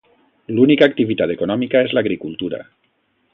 L'única activitat econòmica és l'agricultura.